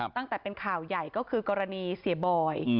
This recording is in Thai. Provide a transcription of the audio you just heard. ตั้งแต่เป็นข่าวใหญ่ก็คือกรณีเสียบอย